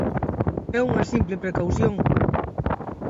É unha simple precaución.